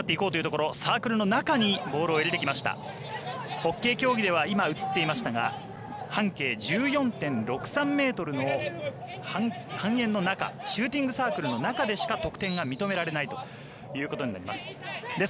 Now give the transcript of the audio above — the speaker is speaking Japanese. ホッケー競技では半径１４．６３ｍの半円の中シューティングサークルの中でしか得点が認められないということになっています。